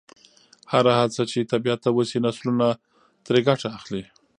هره هڅه چې طبیعت ته وشي، نسلونه ترې ګټه اخلي.